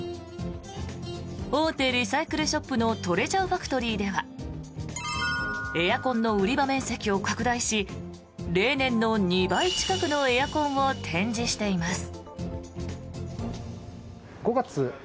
大手リサイクルショップのトレジャーファクトリーではエアコンの売り場面積を拡大し例年の２倍近くのエアコンを展示しています。